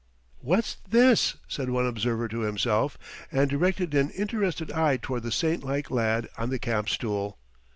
"What's this!" said one observer to himself, and directed an interested eye toward the saint like lad on the camp stool.